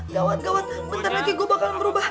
gawat gawat bentar lagi gue bakal berubah